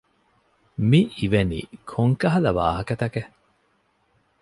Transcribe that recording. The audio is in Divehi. މި އިވެނީ ކޮން ކަހަލަ ވާހަކަތަކެއް؟